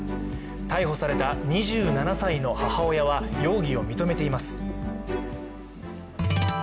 逮捕された２７歳の母親は容疑を認めています。